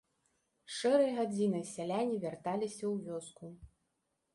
Шэрай гадзінай сяляне вярталіся ў вёску.